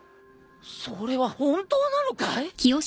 それは本当なのかい？